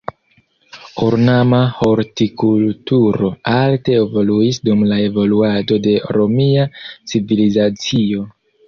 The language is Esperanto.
Ornama hortikulturo alte evoluis dum la evoluado de romia civilizacio.